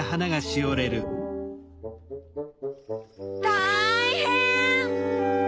たいへん！